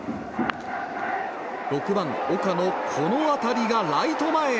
６番、岡のこの当たりがライト前へ。